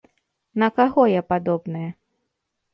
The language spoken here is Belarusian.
На каго я падобная?